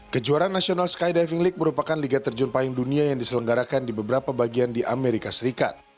kejuaraan nasional skydiving league merupakan liga terjun paling dunia yang diselenggarakan di beberapa bagian di amerika serikat